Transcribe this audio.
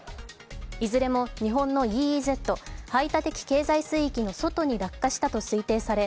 いずれも日本のＥＥＺ＝排他的経済水域の外に落下したと推定され